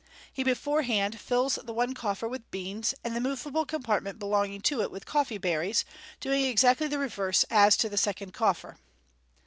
He beforehand fills the one coffer with beans, and the moveable compartment belonging to it with coffee berries, doing exactly the reverse as to the second coffer.